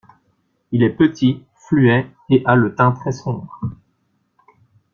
Il est petit, fluet, et a le teint très sombre.